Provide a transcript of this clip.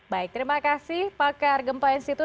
baik terima kasih pakar gempa yang situ